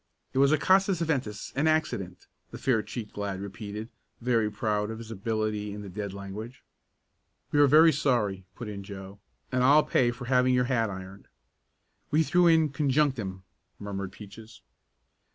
"It was a casus eventus an accident," the fair cheeked lad repeated, very proud of his ability in the dead language. "We are very sorry," put in Joe, "and I'll pay for having your hat ironed." "We threw in conjunctim," murmured Peaches.